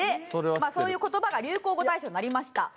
まあそういう言葉が流行語大賞になりました。